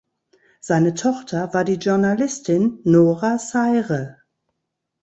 Seine Tochter war die Journalistin Nora Sayre.